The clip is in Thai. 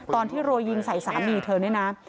ตอนที่โรยยิงใส่สามีเธอเนี่ยนะ